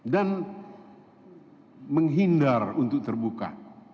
dan menghindar untuk terbuka